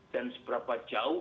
dan seberapa jauh